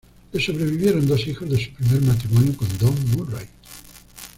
Le sobrevivieron dos hijos de su primer matrimonio con Don Murray.